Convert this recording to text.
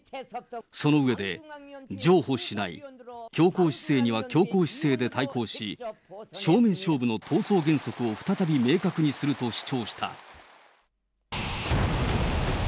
その上で、譲歩しない、強硬姿勢には強硬姿勢で対抗し、正面勝負の闘争原則を再び明確にすると主張した。